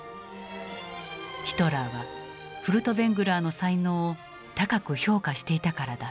ヒトラーはフルトヴェングラーの才能を高く評価していたからだった。